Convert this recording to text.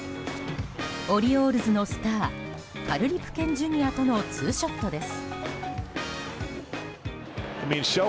オリオールズのスターカル・リプケンＪｒ．とのツーショットです。